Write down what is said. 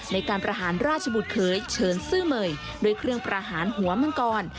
ในการประหารราชบุตรเคยเชิญซื่อเมย์ด้วยเครื่องประหารหัวมังกร